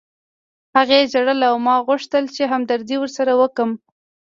هغې ژړل او ما غوښتل چې همدردي ورسره وکړم